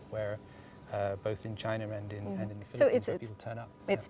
di china dan di filipina